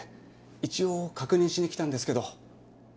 一応確認しに来たんですけど。